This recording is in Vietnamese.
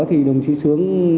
thì đồng chí sướng